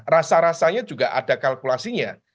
rasa rasanya juga ada kalkulasinya